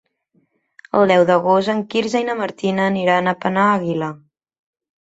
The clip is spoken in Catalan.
El deu d'agost en Quirze i na Martina aniran a Penàguila.